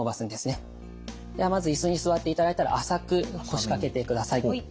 ではまず椅子に座っていただいたら浅く腰掛けてください。